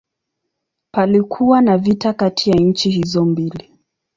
Palikuwa na vita kati ya nchi hizo mbili.